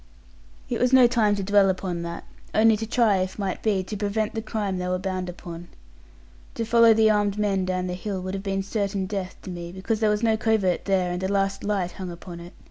It was no time to dwell upon that, only to try, if might be, to prevent the crime they were bound upon. To follow the armed men down the hill would have been certain death to me, because there was no covert there, and the last light hung upon it.